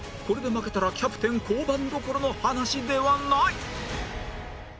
これで負けたらキャプテン降板どころの話ではない！